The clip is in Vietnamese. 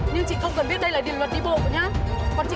nhưng chị không cần biết đây là luyện đi bộ nữa nhé